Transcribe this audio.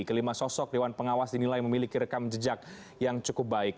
kelima sosok dewan pengawas dinilai memiliki rekam jejak yang cukup baik